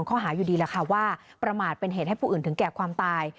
ข้อหาอยู่ดีแหละค่ะว่าประมาทเป็นเหตุให้ผู้อื่นถึงแก่ความตาย